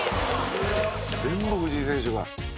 「全部藤井選手だ」